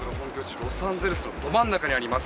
ロサンゼルスのど真ん中にあります。